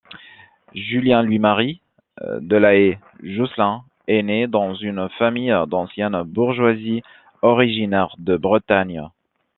Julien-Louis-Marie de La Haye-Jousselin est né dans une famille d'ancienne bourgeoisie originaire de Bretagne.